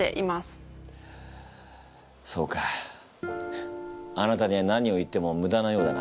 そうかあなたには何を言ってもむだなようだな。